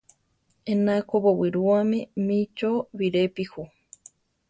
Ena ko bowirúame mí chó birepi ju.